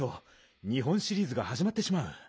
日本シリーズがはじまってしまう。